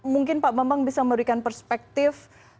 mungkin pak bambang bisa memberikan perspektif